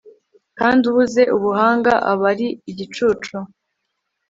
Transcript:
kandi ubuze ubuhanga aba ari igicucu